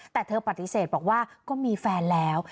แต่เธอปฏิเสธบอกว่าก็มีแฟนแล้ว